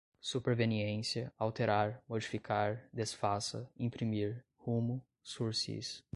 superveniência, alterar, modificar, desfaça, imprimir, rumo, sursis